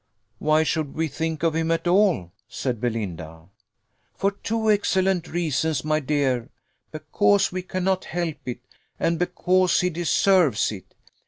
"Why should we think of him at all?" said Belinda. "For two excellent reasons, my dear: because we cannot help it, and because he deserves it.